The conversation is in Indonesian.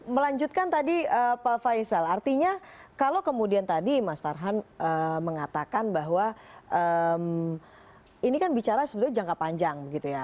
melanjutkan tadi pak faisal artinya kalau kemudian tadi mas farhan mengatakan bahwa ini kan bicara sebetulnya jangka panjang gitu ya